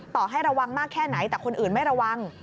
ต่อให้ระวังมากแค่ไหนแต่คนอื่นไม่ระวัง